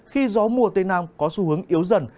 khi gió mùa tây nam có xu hướng yếu dần